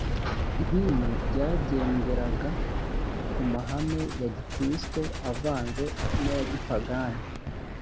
idini ryagenderaga ku mahame ya gikristo avanze n aya gipagani